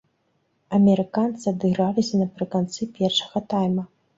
Амерыканцы адыграліся напрыканцы першага тайма.